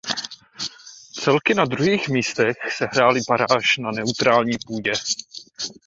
Celky na druhých místech sehrály baráž na neutrální půdě.